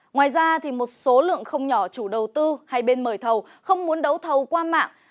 ngoài ra một số lượng không nhỏ chủ đầu tư hay bên mời thầu không muốn đấu thầu qua mạng